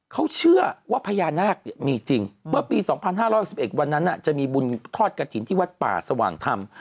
เขาสร้างได้เลยก็อยู่ติดกับบ้านเขาเลย